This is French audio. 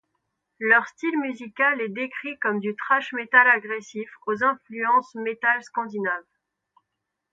Leur style musical est décrit comme du thrash metal agressif aux influences metal scandinave.